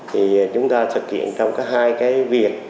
thì chúng ta thực hiện trong hai cái việc